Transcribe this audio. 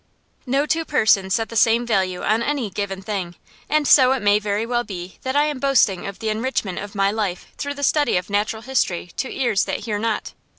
No two persons set the same value on any given thing, and so it may very well be that I am boasting of the enrichment of my life through the study of natural history to ears that hear not.